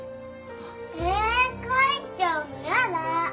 ええ帰っちゃうの嫌だ！